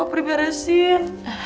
suruh papri beresin